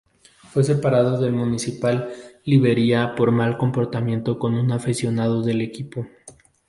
Fue separado del Municipal Liberia por mal comportamiento con un aficionado del equipo.